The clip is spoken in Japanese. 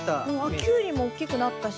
キュウリも大きくなったし。